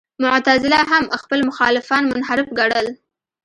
معتزله هم خپل مخالفان منحرف ګڼل.